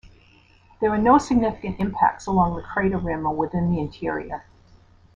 There are no significant impacts along the crater rim or within the interior.